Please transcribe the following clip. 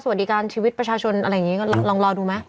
สวัสดีการชีวิตประชาชนอะไรอย่างนี้ก็ลองรอดูไหม